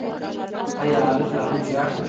ایا هلک لا هم ژاړي؟